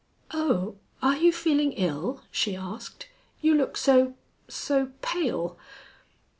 "Oh! Are you feeling ill?" she asked. "You look so so pale."